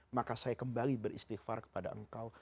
maka saya kembali beristighfar kepada engkau